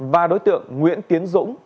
và đối tượng nguyễn tiến dũng